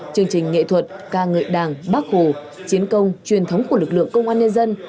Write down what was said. chương trình nghệ thuật ca ngợi đảng bác hồ chiến công truyền thống của lực lượng công an nhân dân